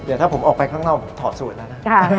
เดี๋ยวถ้าผมออกไปข้างนอกผมถอดสูตรแล้วนะ